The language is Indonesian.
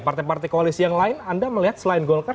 partai partai koalisi yang lain anda melihat selain golkar